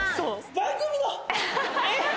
番組の⁉えっ？